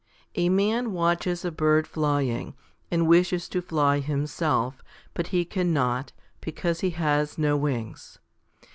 A man watches a bird flying, and wishes to fly himself, but he cannot, because he has no wings.